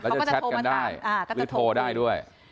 แล้วจะแชทกันได้หรือโทรได้ด้วย